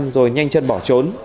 rồi nhanh chân bỏ trốn